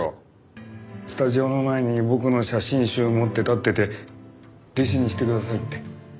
スタジオの前に僕の写真集を持って立ってて「弟子にしてください」って。